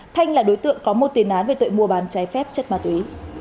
thanh là đối tượng có một tiền án về tội mua bán trái phép chất ma túy